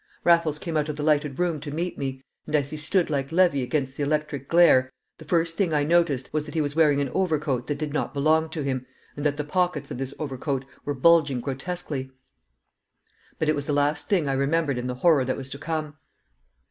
Raffles came out of the lighted room to meet me, and as he stood like Levy against the electric glare, the first thing I noticed was that he was wearing an overcoat that did not belong to him, and that the pockets of this overcoat were bulging grotesquely. But it was the last thing I remembered in the horror that was to come.